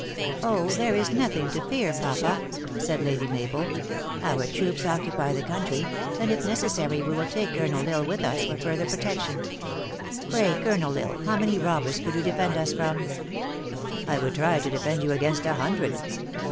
" Oh, there is nothing to fear, papa," said Lady Mabel. " Our troops occupy the country, and, if necessary, we will take Colonel L Isle with us for further protection. Pray, Colonel L Isle, how many robbers could you defend us from ?"" I would try to defend you against a hundred."